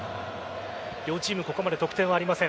両チームここまで得点はありません。